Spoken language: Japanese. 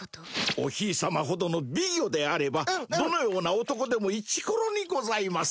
おひいさまほどの美魚であればうんうんどのような男でもイチコロにございます